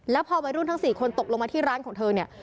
แล้วพอวัยรุ่นทั้ง๔คนตกลงมาที่ร้านของเธอเนี่ย